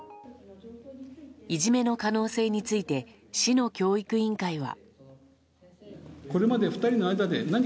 いじめの可能性について市の教育委員会は。